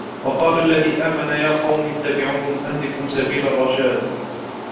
وقال الذي آمن يا قوم اتبعون أهدكم سبيل الرشاد